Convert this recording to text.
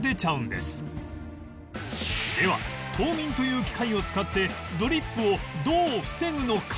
では凍眠という機械を使ってドリップをどう防ぐのか？